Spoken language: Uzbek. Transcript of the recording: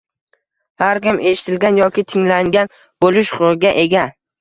Har kim eshitilgan yoki tinglangan bo‘lish huquqiga ega.